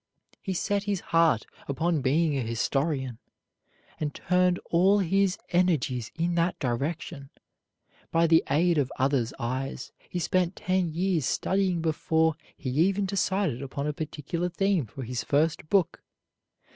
He set his heart upon being a historian, and turned all his energies in that direction. By the aid of others' eyes, he spent ten years studying before he even decided upon a particular theme for his first book.